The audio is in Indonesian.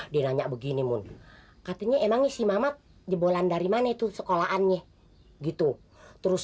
di nanya begini mun katanya emangnya si mamat jebolan dari mana itu sekolahannya gitu terus